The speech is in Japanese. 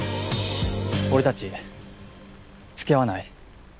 俺達付き合わない？